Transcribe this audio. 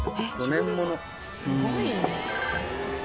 すごいね。